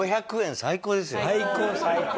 最高最高。